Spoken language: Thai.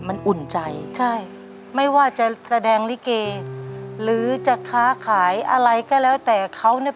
มันอุ่นใจใช่ไม่ว่าจะแสดงลิเกหรือจะค้าขายอะไรก็แล้วแต่เขาเนี่ย